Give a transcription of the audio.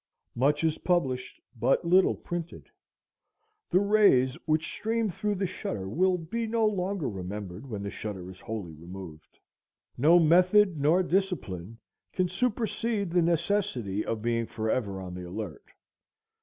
Much is published, but little printed. The rays which stream through the shutter will be no longer remembered when the shutter is wholly removed. No method nor discipline can supersede the necessity of being forever on the alert.